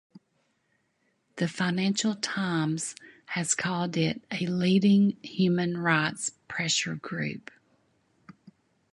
"The Financial Times" has called it "a leading human rights pressure group".